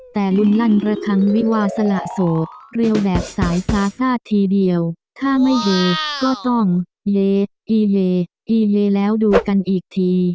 แต่ลุนลั่นระคังวิวาสละโสดเรียวแบบสายฟ้าทีเดียวถ้าไม่ดีก็ต้องเละอีเลอีเลแล้วดูกันอีกที